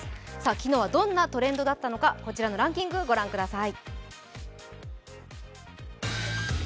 昨日はどんなトレンドだったのか、こちらのランキング、御覧ください。